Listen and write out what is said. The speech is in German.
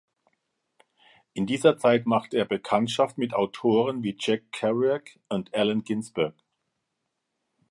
In dieser Zeit machte er Bekanntschaft mit Autoren wie Jack Kerouac und Allen Ginsberg.